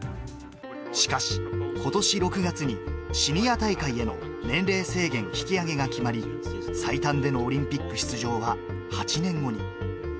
しかし、ことし６月にシニア大会への年齢制限引き上げが決まり、最短でのオリンピック出場は８年後に。